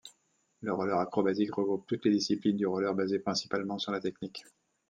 Le roller acrobatique regroupe toutes les disciplines du roller basées principalement sur la technique.